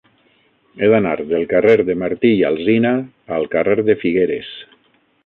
He d'anar del carrer de Martí i Alsina al carrer de Figueres.